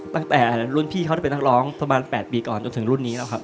ตั้งแต่รุ่นพี่เขาได้เป็นนักร้องประมาณ๘ปีก่อนจนถึงรุ่นนี้แล้วครับ